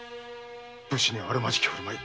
武士にあるまじき振る舞い。